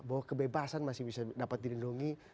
bahwa kebebasan masih bisa dapat dilindungi